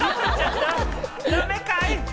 ダメかい？